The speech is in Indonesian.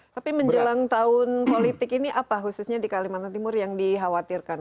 tapi menjelang tahun politik ini apa khususnya di kalimantan timur yang dikhawatirkan